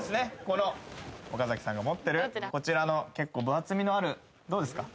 この岡崎さんが持ってるこちらの結構厚みのあるどうですか？